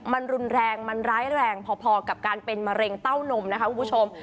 มันรุนแรงมันร้ายแรงพอกับการเป็นมะเร็งเต้านมนะคะคุณผู้ชม